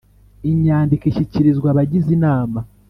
Inyandiko ishyikirizwa abagize inama